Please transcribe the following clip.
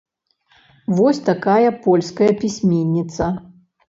Вось такая польская пісьменніца.